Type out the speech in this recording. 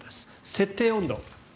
設定温度。